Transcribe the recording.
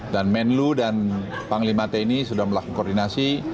dan menlu dan panglima tni sudah melakukan koordinasi